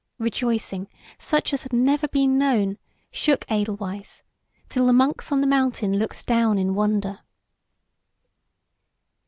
Rejoicing, such as had never been known, shook Edelweiss until the monks on the mountain looked down in wonder.